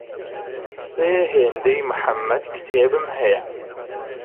سێ هێندەی محەمەد کتێبم هەیە.